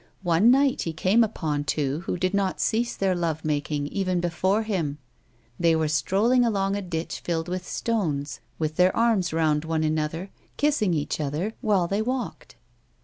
One night he came upon two who did not cease their love making even before him ; they were strolling along a ditch filled with stones, with their arms i ound one another, kissing each other as they walked.